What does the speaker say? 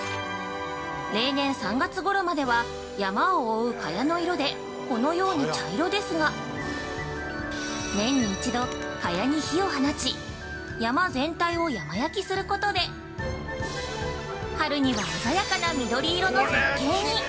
例年３月ごろまでは山を覆う茅の色で、このように茶色ですが、年に一度、茅に火を放ち、山全体を山焼きすることで、春には鮮やかな緑色の絶景に！